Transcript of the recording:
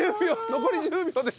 残り１０秒です。